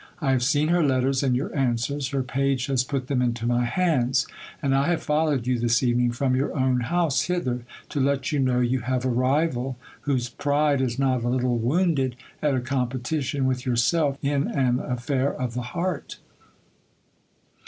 I have seen her letters and your answers, her page has put them into my hands, and I have followed you this evening from your own house hither, to let you know you have a rival whose pride is not a little wounded at a competition with yourself in an affair of the heart.